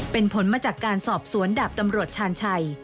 เป็นผลมาจากการสอบสวนดาบตำรวจชาญชัย